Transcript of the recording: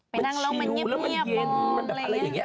นั่งแล้วมันเงียบมองอะไรอย่างนี้